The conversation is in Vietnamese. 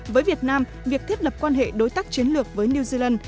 với việt nam việc thiết lập quan hệ đối tác chiến lược với new zealand